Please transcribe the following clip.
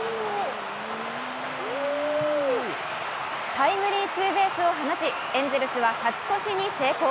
タイムリーツーベースを放ち、エンゼルスは勝ち越しに成功。